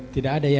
tidak ada ya